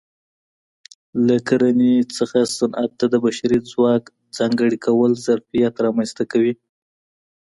له کرنې څخه صنعت ته د بشري ځواک ځانګړي کول ظرفیت رامنځته کوي